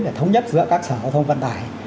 để thống nhất giữa các sở giao thông vận tải